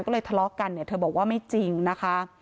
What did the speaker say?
ก็เลยทะเลาะกันเนี่ยเธอบอกว่าไม่จริงนะคะ